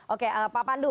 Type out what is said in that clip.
oke pak pandu